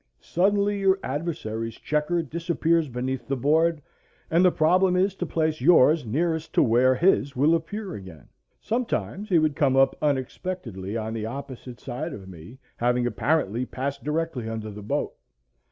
Suddenly your adversary's checker disappears beneath the board, and the problem is to place yours nearest to where his will appear again. Sometimes he would come up unexpectedly on the opposite side of me, having apparently passed directly under the boat.